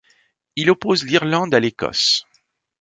Il oppose l'Irlande à l’Écosse.